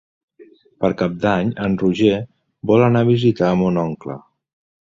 Per Cap d'Any en Roger vol anar a visitar mon oncle.